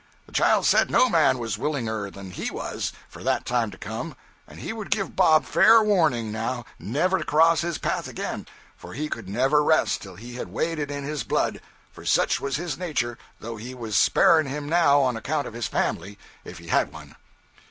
The Child said no man was willinger than he was for that time to come, and he would give Bob fair warning, now, never to cross his path again, for he could never rest till he had waded in his blood, for such was his nature, though he was sparing him now on account of his family, if he had one.